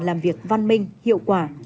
làm việc văn minh hiệu quả